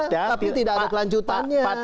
tapi tidak ada kelanjutannya